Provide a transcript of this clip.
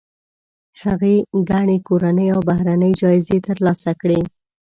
هغې ګڼې کورنۍ او بهرنۍ جایزې ترلاسه کړي.